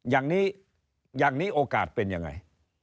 อย่างนี้อย่างนี้โอกาสเป็นยังไง